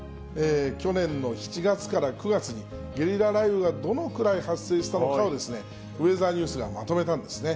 去年の７月から９月に、ゲリラ雷雨がどのくらい発生したのかを、ウェザーニュースがまとめたんですね。